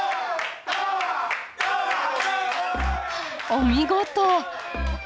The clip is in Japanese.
お見事！